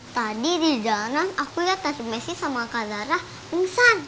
tadi di jalanan aku lihat tati messi sama kadarah pingsan